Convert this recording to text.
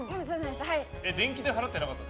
電気代、払ってなかったの？